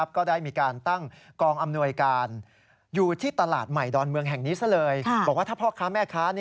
บอกว่าถ้าพ่อค้าแม่ค้า